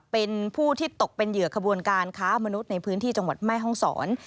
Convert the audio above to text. เป็นผู้ที่ตกเป็นเหยื่อขบวนการค้ามนุษย์ในพื้นที่จังหวัดแม่ห้องศร